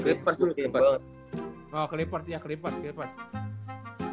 oh kelepas ya kelepas